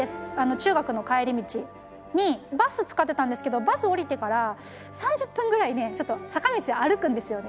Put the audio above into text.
中学の帰り道にバス使ってたんですけどバス降りてから３０分ぐらいねちょっと坂道を歩くんですよね。